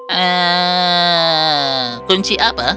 hmmmm kunci apa